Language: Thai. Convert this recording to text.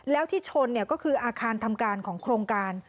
แล้วที่ชนก็คืออาคารทำการของโครงการ